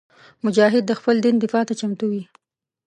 مجاهد د خپل دین دفاع ته چمتو وي.